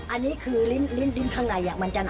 อันนี้คือลิ้นข้างในมันจะหนัก